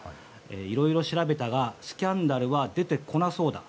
いろいろ調べたがスキャンダルは出てこなそうだ。